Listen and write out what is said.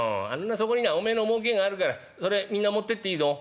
そこになおめえのもうけがあるからそれみんな持ってっていいぞ」。